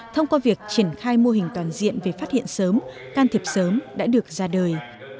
thông qua việc triển khai mô hình toàn diện về phát hiện sớm can thiệp sớm đã được ra đời